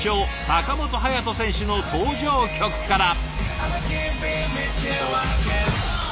坂本勇人選手の登場曲から。